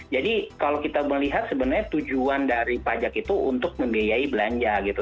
jadi kalau kita melihat sebenarnya tujuan dari pajak itu untuk membiayai belanja gitu